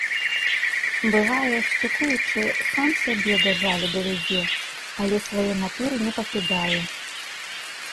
Бывае, штукуючы, сам сябе да жалю давядзе, але свае натуры не пакідае.